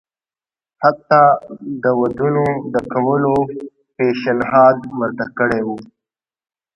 حتی د ودونو د کولو پېشنهاد ورته کړی وو.